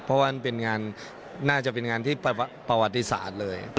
เพราะว่าน่าจะเป็นงานที่ประวัติศาสตร์เลย